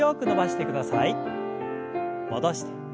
戻して。